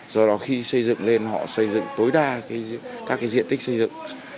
do đó khi xây dựng lên họ xây dựng tối đa các diện tích xây dựng